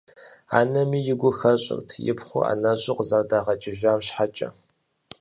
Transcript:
Анэми игу хэщӏырт и пхъур ӏэнэщӏу къызэрыдагъэкӏыжам щхьэкӏэ.